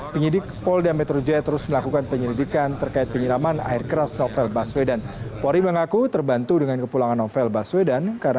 penyidik polri blikjan polisi muhammad iqbal mengatakan